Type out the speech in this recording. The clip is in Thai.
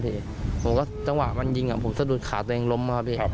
ผมก็จังหวะมันยิงผมสะดุดขาตัวเองล้มครับพี่